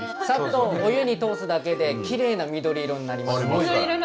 サッとお湯に通すだけできれいな緑色になりますね。